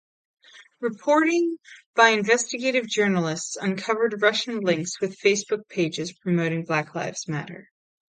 Reporting by investigative journalists uncovered Russian links with Facebook pages promoting Black Lives Matter.